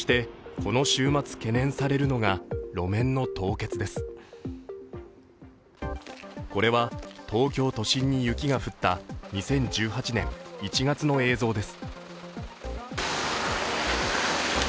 これは東京都心に雪が降った２０１８年１月の映像です。